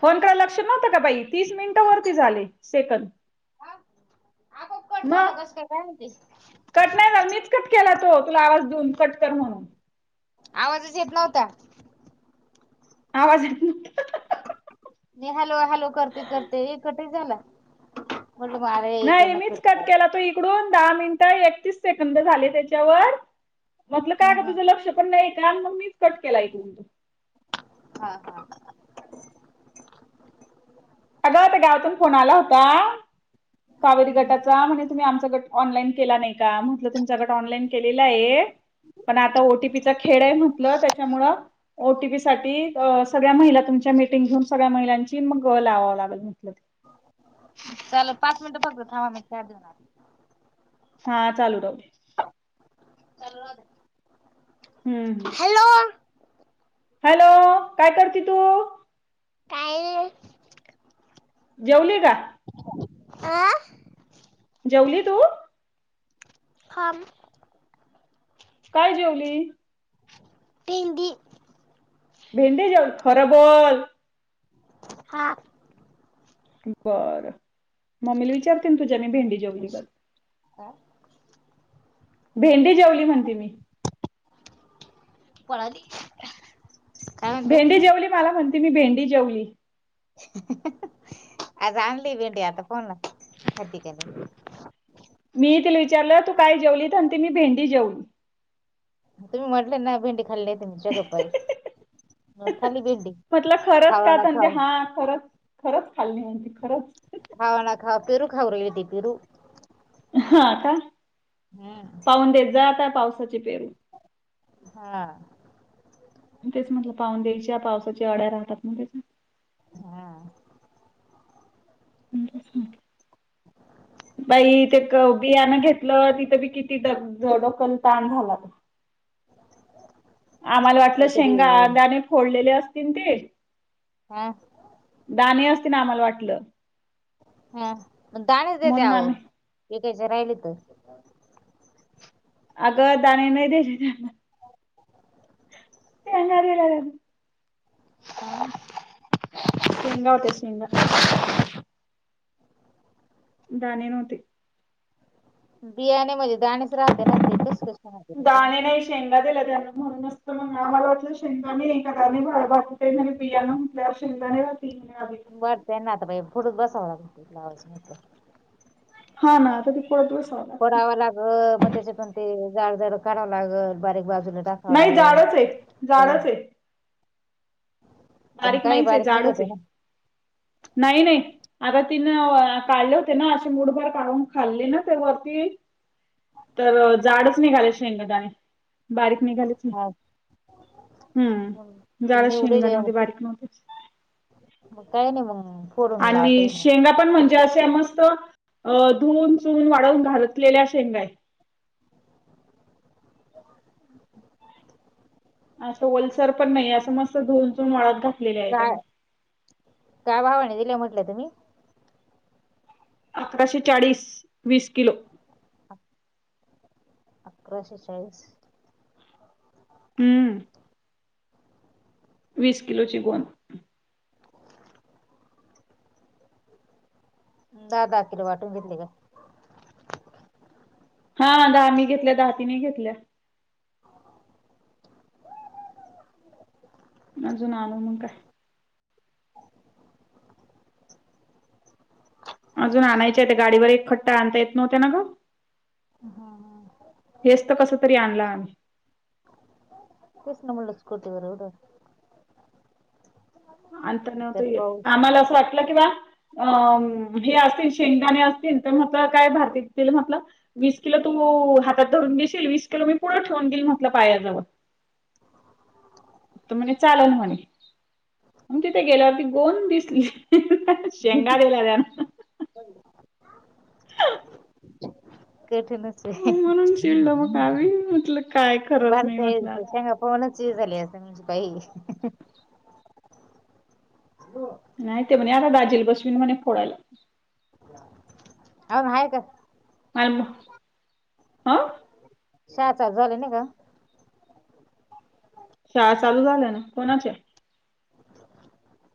Phone केला? लक्ष नव्हतं का बाई तीस मिनिट वरती झाले सेकंद मला मग कस काय होती कट नाही झाला मीच कट केला तो तुला आवाज देऊन कट कर म्हणून आवाजच येत नव्हता. आवाज येत [unintelligible] मी हॅलो हॅलो करते करते कटाई झाला म्हटलं मग अरे नाही इकडनं मीच करते कट काढते केला तो इकडून दहा मिनिटं एकतीस सेकंद झाले त्याच्यावर म्हटलं हम्म काय का तुझ हम्म लक्ष पण नाही का आणि मग मीच कट केला ऐकून तो. हा हा अगं त्या गावातून फोन आला होता कावेरी गटाचा म्हणजे तुम्ही आमचा गट ऑनलाईन केला नाही का म्हटलं तुमच्याकडे ऑनलाईन केलेलं आहे. पण आता ओ टी पी चा खेड म्हटलं त्यामुळे ओ टी पी साठी सगळ्या महिला तुमच्या मीटिंग घेऊन सगळ्या महिलांची मग लावावी लागल म्हटलं चाल पाच मिनटं फक्त थांब मी चहा घेऊन आली हा चालू राहू दे चालू राहू हम्म द्या हॅलो हॅलो काय करते तू? काय नाही जेवली का आं जेवली तू? हम काय जेवली? भेंडी भेंडी जेवली खरा बोल. हा बरं मम्मीला विचारते तुझ्याने भेंडी जेवली का काय भेंडी जेवली म्हणते मी. पणाली भेंडी जेवली मला म्हणती मी भेंडी जेवली आज आणली भेंडी आता फोनला खदीिकणे मी तिला विचारलं तू काय जेवली आणि त मी भेंडी जेवली तुम्ही म्हटले ना भेंडी खाल्ली नाही त म जगपाई म्हटलं खरंच खावा का ना त्यां ते खाव हा खरंच खरंच खाल्ली म्हती खरंच खावा ना खावा पेरू खा यती पिरू हा का पाहून देत जा आता पावसाची पेरू हा तेच म्हटलं पाहून द्यायच्या पावसाच्या अड्या राहतात ना त्याच्या हा [unintelligible] बाई ते बियाण घेतलं तिथं बी किती डोकल ताण झाला. आम्हाला वाटलं काहीतरी शेंगा अगाने फोडलेले असतील ते हा दाणे असतील आम्हाला वाटलं. हा मग दानेच देतह म्हणून आव्ह आम्ही विकायचे राहिलीत. अगं दणी नाही दश त्यांना [unintelligible] हा स ते शेंगा होते शेंगा. दाणे नव्हते. बियाणे मंजे दाणेच राहते ना ते दाणे राहते नाही शेंगा दिला त्यानि म्हणून मग आम्हाला वाटलं शेंगदाणे आहे की काय बाकी बियां म्हटल्यावर शेंगदाणे म्हणे आधी. बरत आहे ना आता पुढच बसावं लाग ब्लाज. हा ना त पोडावं लागल मग त्याच्यातून ते जाड जाड काढावं लागल बारीक बारी नाही जाडच आहे जाडचये. पण बारीक काही नाहीच आहे, निघत जाडच ना आहे नाही नाही आता तिन काढले होते ना अशी मुठभर काहून खाल्ले ना ते वरती तर जाडच नाहीघालाय शेंगदाने बारीक निघाले च नाही हा हम्म जाडच शेंगदाणे. बारीक नव्हते. म काय नाही म आणि शेंगा पण म्हणत मस्त धुन चून वाढवून घललेल्या शेंगायत. [unintelligible] असं ओलसर पण नाही असं मस्त धुन चुन वळत घात काय काय भावाने दिल्या म्हटलं तुम्ही? अकराशे चाळीस वीस किलो. ह अकराशे चाळीस. हम्म वीस किलोची गोंद दहा दहा किलो वाटून घेतली का? हा दहा मी घेतल्या दहा तीने घेतल्या. अजून आणू मग काय. अजून आणायच्या ते गाडीवर एक खट्टा आणता येत नव्हत्या ना ग. हेच तर कस तरी आणला आम्ही. तेस ना मुलं स्कूट बरड त्यात पाऊस आम्हाला असं वाटलं की बा अ हे असतील शेंगदाणे असतील, तर म्हट काय भारती वीकतील म्हटलं, वीस किलो तू हो हातात धरून घशील वीस किलो मी पुढे ठेवून देईल म्हटलं पायाजवळ.. चालेल म्हणे... मग तिथे गेल्यावरती गोन दिसली शेंगारीला... कठीणचे, म्हणून चिडलो मग आम्ही म्हटलं काय खरंच नाही भारताई म्हटलं आता. शेंगा पाहूनचये झाली असण म्हणजे बाई नाही ते म्हणे आता दाजीला बशवीन म्हणे फोडायला. अन हय का? अ. सहा तास झाले ना ग? शाळा चालू झाल्या ना, कोणाच्या?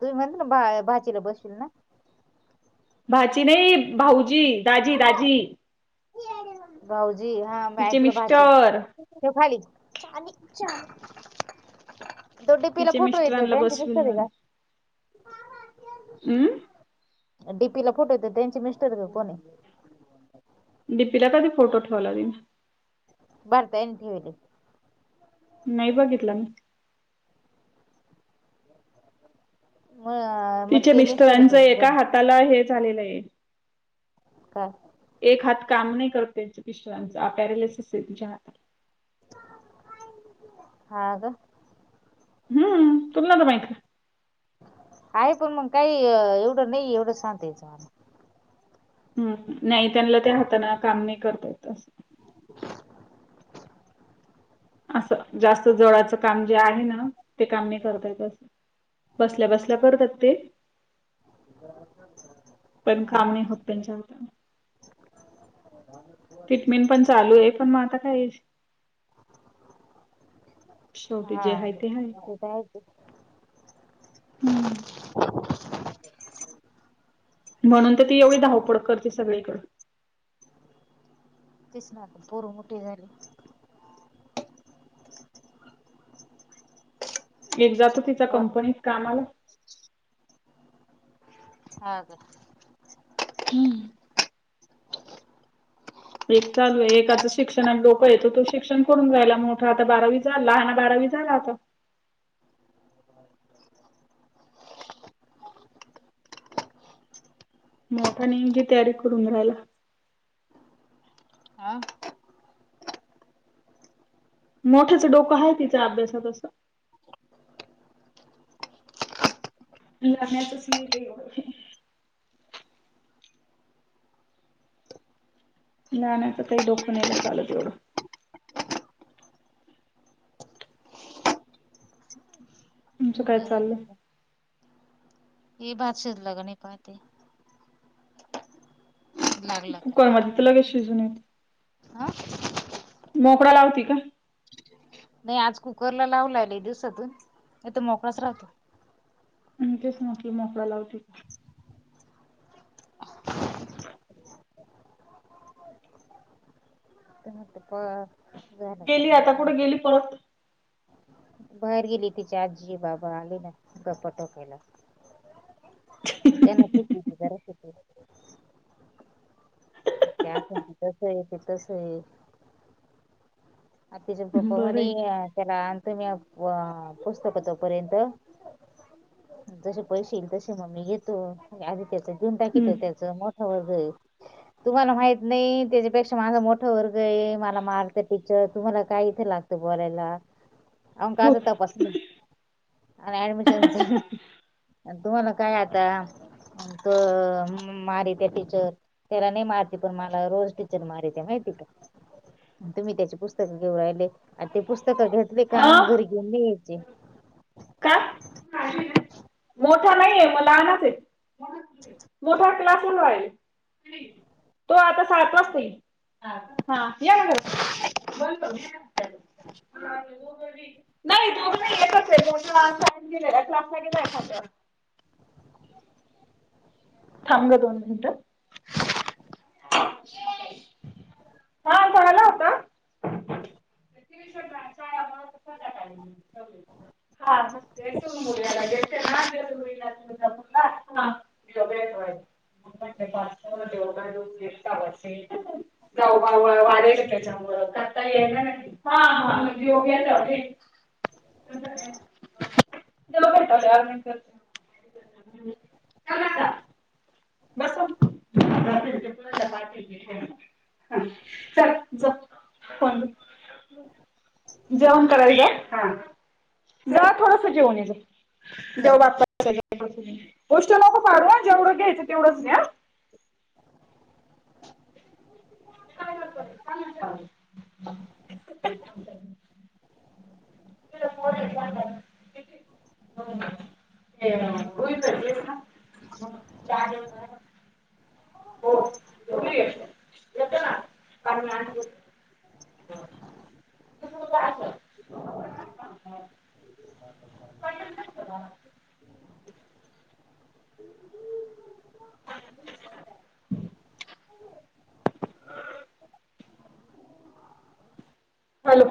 तुम्ही म्हणता ना भा भाचीला बशवील ना? भाची नाही, भाऊजी दाजी दाजी. भाऊजी हा मी तिचे ऐकलं भाची, मिस्टर ठेव खाली. तो डीपिला फोटूये तो त्यांचे मिस्टरे का? अम्म. डीपी ला फोटो येत त्यांचे मिस्टर का कोणी? डीपिला काधी फोटो ठवाला तेनी? भारताईनी ठेवले. नाही बघितलं मी. [unintelligible] मग तिच्या ते मिस्टर आहे मिस्टरांचं का एका कोण? हाताला हे झालेलं ये. काय एक हात काम नाही करत, त्यांच मिस्टरांचा. पा पॅरालिसिस तिच्या हाताला. हा का? हम्म तुलाला नव्हत माहित का? आहे पण मग काही एवढं नाही, एवढं सांगता यायचं मला. हम्म नाही त्यांना त्या हाताने काम नाही करता येत असं. [unintelligible] असं जास्त जवळचं काम जे आहे ना ते काम नाही करता येत असं... बसल्या बसल्या करतात ते.... पण काम नाही होत त्यांच्या हातून. ट्रीटमेंट पण चालूये, पण मग आता काय शेवटी जे हा हाय ते हाय. तर आहे हम्म. म्हणून तर ती एवढी धावपळ करते सगळीकड. तेच ना पोर मोठी झाली. एक जातो तिचा वर कंपनीत कामाला. ह का? हम्म. एक चालूये, एकाचं शिक्षणात डोकंय, तो शिक्षण करून रायला, मोठा आता बारावी झाला, लहाना बारावी झाला होता. मोठा नेमीची तयारी करून राहायला. हा मोठ्याच डोकं हाये, तिच्या अभ्यासत अस. [unintelligible] नाही नाही आता काही डोकं नाहीना चालत येवढं. तुमचं काय बर चाललंय. ये भात शिजला का नाही पाहते. लागला का? [unintelligible] लगेच शिजुन येतं. हा मोकळा लावती का? नाही आज कुकरला लावला य लय दिवसातून नही तर मोकळाच राहतो. तेच म्हंटलं [unintelligible] तर म्हटलं प झालं का गेली नाही आता असं कुठ गेली म्हटलं पळत. बाहेर गेली तिची आजी बाबा आले ना गप्पा ठोकायला. [unintelligible] [unintelligible] हे आताच कसयं कि तसयं - - [unintelligible] बरं आहे तुमही पुस्तक तोपर्यंत तुमच्याशी पैसे एकदाशी मग मी घेतो आधि त्याचं देऊन हम्म याकितो त्याच मग - - वग तुम्हाला माहित नाही त्याच्यापेक्षा माझा मोठा वर्गय मला मारत [unintelligible] काहीच लागतं बोलायला, अमका हो असं तपासत - - आणि ऍडमिशनच तुम्हाला काय आता तो मारिते टिचर तेला नाहि मारिते पण मला रोज टिचर मारिते माहिती - - [unintelligible] तुम्ही त्याचे पुस्तकं घेऊन राहिले आणि ते पुस्तक घेतले का अं घरी काय [unintelligible] मोठा नाहीये म लहानच आहे. मोठा क्लासून जाऊन राहिला. तो आता सात वाजता येईल. [unintelligible] हा. हा. याना घरी [unintelligible] नाही. दोन नाही एकच हाय. [unintelligible] क्लासला गेलायं फाट्यावर थांब ग दोन मिनिटं. हा कोण आल होत? [unintelligible] [unintelligible] [unintelligible] [unintelligible] येणार. हा. हा. जेऊन घ्याय लावलयं. [unintelligible] दोन मिनटं. दोन मिनटं. [unintelligible] [unintelligible] [unintelligible] जेवण करायचं? हा. ग थोडस जेऊन ये जा. [unintelligible] देव बाप्पा [unintelligible] जेवढं घ्यायचं तेवढचं घे हं. [unintelligible] [unintelligible] [unintelligible] [unintelligible] [unintelligible] ओ कुठे गेले? [unintelligible] [unintelligible] [inaudible] [unintelligible] [unintelligible] हॅलो.